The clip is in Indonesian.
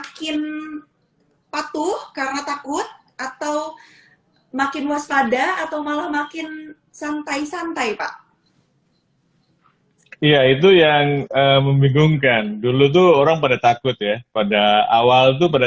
makin santai santai pak iya itu yang membingungkan dulu tuh orang pada takut ya pada awal tuh pada